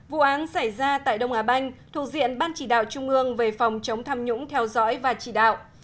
vụ án xảy ra tại đông á banh thuộc diện ban chỉ đạo trung ương về phòng chống tham nhũng theo dõi và chỉ đạo